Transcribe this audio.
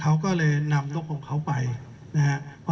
เขาก็เลยนำนกของเขาไปนะครับ